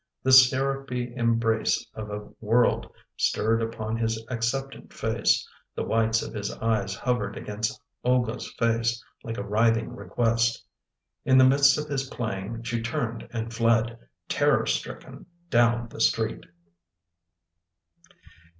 The syrupy embrace of a world stirred upon his acceptant face; the whites of his eyes hovered against Olga's face, like a writhing request. In the midst of his playing she turned and fled, terror stricken, down the street.